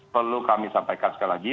perlu kami sampaikan sekali lagi